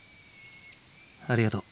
ありがとう。